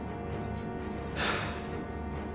はあ。